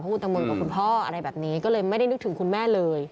คุณตังโมกับคุณพ่ออะไรแบบนี้ก็เลยไม่ได้นึกถึงคุณแม่เลย